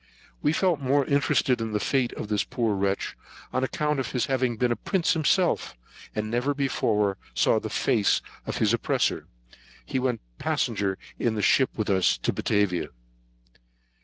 We felt more interested in the fate of this poor wretch, on account of his having been a prince himself, but never before saw the face of his oppressor. He went passenger in the ship with us to Batavia.